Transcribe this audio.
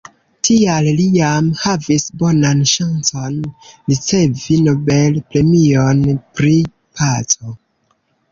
Tial li jam havis bonan ŝancon ricevi Nobel-premion pri paco.